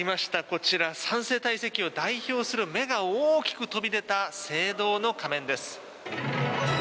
こちら、三星堆遺跡を代表する目が大きく飛び出た青銅の仮面です。